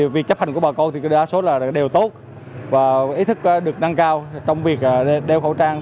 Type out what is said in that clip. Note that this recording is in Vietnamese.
việc chấp hành của bà con thì đa số là đều tốt và ý thức được năng cao trong việc đeo khẩu trang